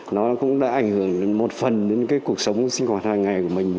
nó cũng đã ảnh hưởng một phần đến cái cuộc sống sinh hoạt hàng ngày của mình